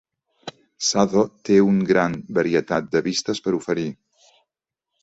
Sado té un gran varietat de vistes per oferir,